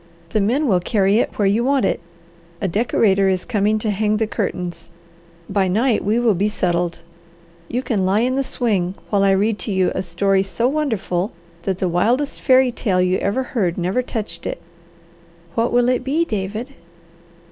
The men will carry it where you want it. A decorator is coming to hang the curtains. By night we will be settled; you can lie in the swing while I read to you a story so wonderful that the wildest fairy tale you ever heard never touched it." "What will it be, David?"